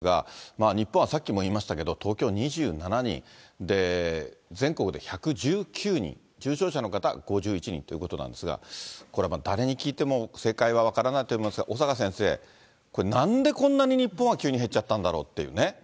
このあとやりますが、日本はさっきも言いましたけど、東京２７人、全国で１１９人、重症者の方５１人ということなんですが、これ、誰に聞いても正解は分からないと思いますが、小坂先生、これ、なんでこんなに日本は急に減っちゃったんだろうっていうね。